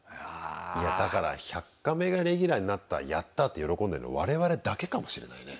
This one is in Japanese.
いやだから「１００カメ」がレギュラーになったやった！って喜んでるの我々だけかもしれないね。